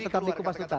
tetap di kumpas tutas